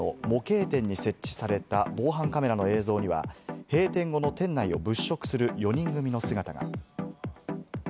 事件が起きたのは、きのう未明、栃木県の模型店に設置された防犯カメラの映像には、閉店後の店内を物色する４人組の姿が。